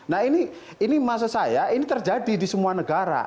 nah ini maksud saya ini terjadi di semua negara